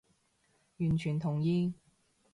完全同意